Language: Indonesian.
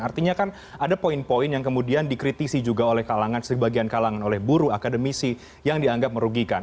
artinya kan ada poin poin yang kemudian dikritisi juga oleh kalangan sebagian kalangan oleh buruh akademisi yang dianggap merugikan